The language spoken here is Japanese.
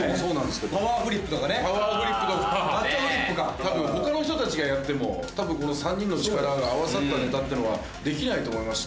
多分他の人たちがやってもこの３人の力が合わさったネタってのはできないと思いますし。